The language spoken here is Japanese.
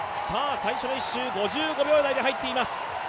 最初の１周５５秒台で入っています。